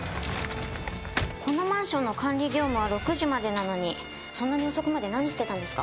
このマンションの管理業務は６時までなのにそんなに遅くまで何してたんですか？